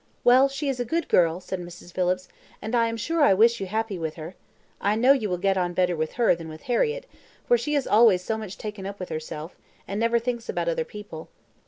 "Well, she is a good girl," said Mrs. Phillips, "and I am sure I wish you happy with her. I know you will get on better with her than with Harriett, for she is always so much taken up with herself, and never thinks about other people.